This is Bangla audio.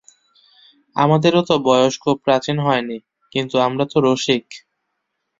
আমাদেরও তো বয়স খুব প্রাচীন হয় নি, কিন্তু আমরা তো– রসিক।